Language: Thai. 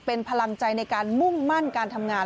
เป็นพลังใจในการมุ่งมั่นการทำงาน